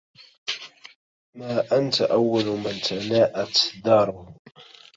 ما أنت أول من تناءت داره